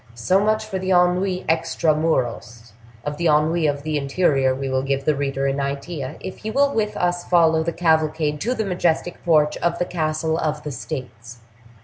So much for the ennui extra muros; of the ennui of the interior we will give the reader an idea if he will with us follow the cavalcade to the majestic porch of the Castle of the States.